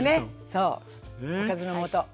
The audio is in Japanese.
そうおかずの素。